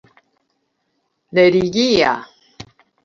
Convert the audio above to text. religia